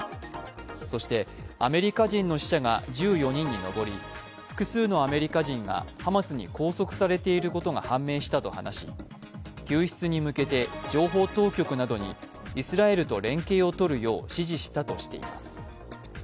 そして、アメリカ人の死者が１４人に上り複数のアメリカ人がハマスに拘束されていることが判明したと話し救出に向けて情報当局などにイスラエルと連携を取るよう指示したとしています。